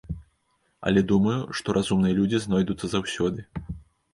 Але думаю, што разумныя людзі знойдуцца заўсёды.